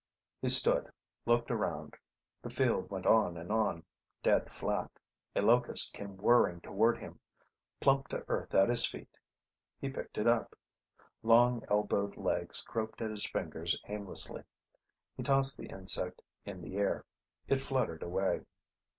He stood, looked around. The field went on and on, dead flat. A locust came whirring toward him, plumped to earth at his feet. He picked it up. Long elbowed legs groped at his fingers aimlessly. He tossed the insect in the air. It fluttered away.